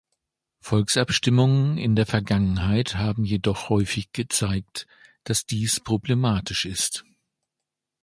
Volksabstimmungen in der Vergangenheit haben jedoch häufig gezeigt, dass dies problematisch ist.